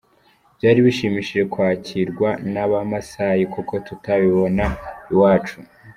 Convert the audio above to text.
Byari bishimishije kwakirwa n’aba Massai kuko tutabibona iwacu.